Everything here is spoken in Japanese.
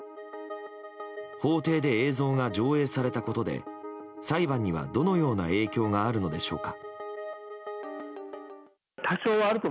法廷で映像が上映されたことで裁判にはどのような影響があるのでしょうか。